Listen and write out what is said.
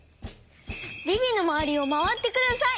ビビのまわりをまわってください！